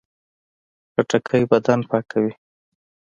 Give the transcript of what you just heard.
خټکی بدن پاکوي.